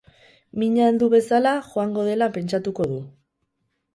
Mina heldu bezala joango dela pentsatuko du.